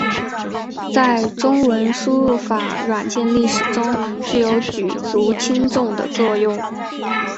在中文输入法软件历史中具有举足轻重的作用。